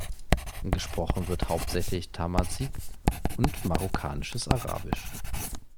Gesprochen wird hauptsächlich Tamazight und Marokkanisches Arabisch.